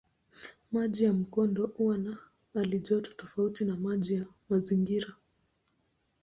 Maji ya mkondo huwa na halijoto tofauti na maji ya mazingira.